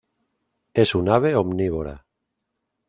Es un ave omnívora.